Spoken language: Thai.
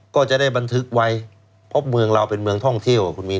ก็จะได้บันทึกไว้เพราะเมืองเราเป็นเมืองท่องเที่ยวคุณมีน